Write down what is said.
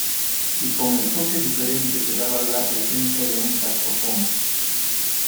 Y con el toque diferente que daba la presencia de un saxofón.